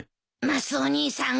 マスオ兄さん